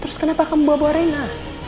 terus kenapa kamu bawa bawa rena